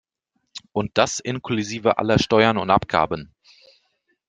Und das inklusive aller Steuern und Abgaben.